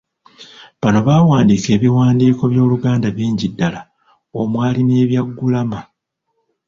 Bano baawandiika ebiwandiiko by’Oluganda bingi ddala omwali n'ebya ggulama.